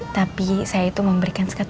tapi saya itu memberikan